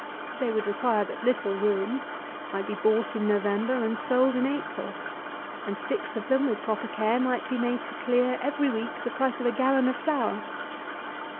They would require but little room, might be bought in November and sold in April, and six of them, with proper care, might be made to clear every week the price of a gallon of flour.